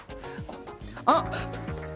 あっ！